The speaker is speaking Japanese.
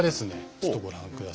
ちょっとご覧下さい。